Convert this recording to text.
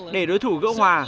để đối thủ gỡ hòa